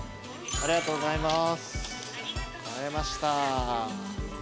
ありがとうございます。